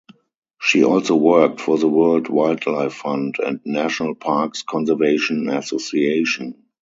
She also worked for the World Wildlife Fund and National Parks Conservation Association.